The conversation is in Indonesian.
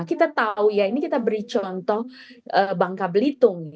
kita tahu ya ini kita beri contoh bangka belitung